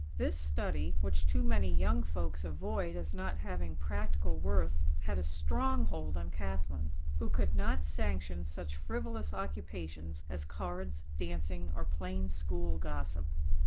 This study, which too many young folks avoid as not having practical worth had a strong hold on Kathlyn, who could not sanction such frivolous occupations as cards, dancing, or plain school gossip.